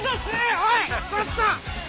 おいちょっと。